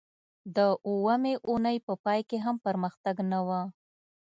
د اوومې اونۍ په پای کې هم پرمختګ نه و